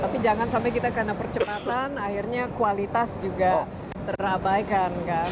tapi jangan sampai kita karena percepatan akhirnya kualitas juga terabaikan kan